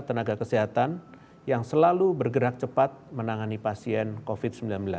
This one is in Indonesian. tenaga kesehatan yang selalu bergerak cepat menangani pasien covid sembilan belas